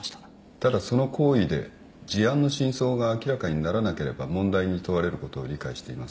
ただその行為で事案の真相が明らかにならなければ問題に問われることを理解していますね。